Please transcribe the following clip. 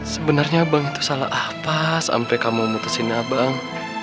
sebenernya abang itu salah apa sampe kamu mutusin abang